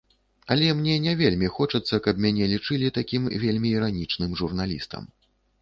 Але мне не вельмі хочацца, каб мяне лічылі такім вельмі іранічным журналістам.